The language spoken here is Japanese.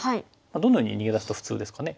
どのように逃げ出すと普通ですかね？